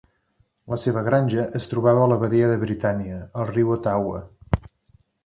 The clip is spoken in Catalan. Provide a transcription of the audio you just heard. La seva granja es trobava a la badia de Britannia, al riu Ottawa.